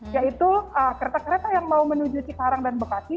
yaitu kereta kereta yang mau menuju cikarang dan bekasi